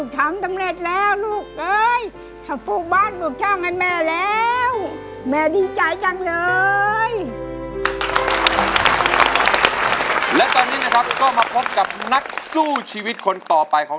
ทำได้บ้างทำได้บ้าง